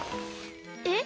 えっ？